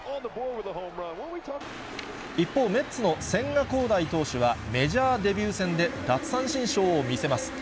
一方、メッツの千賀滉大投手はメジャーデビュー戦で奪三振ショーを見せます。